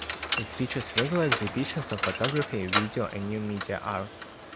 It features regular exhibitions of photography, video and new media art.